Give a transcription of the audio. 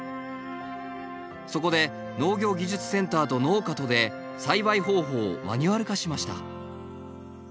そこで農業技術センターと農家とで栽培方法をマニュアル化しました。